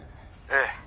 ええ。